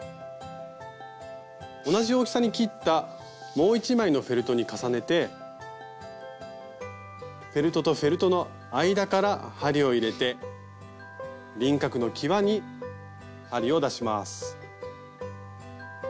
同じ大きさに切ったもう１枚のフェルトに重ねてフェルトとフェルトの間から針を入れて輪郭のきわに針を出します。